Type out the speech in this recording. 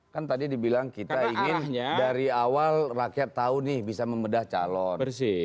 kan tadi dibilang kita ingin dari awal rakyat tahu nih bisa membedah calon